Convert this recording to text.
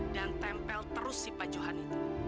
dan tempel terus si pak johan itu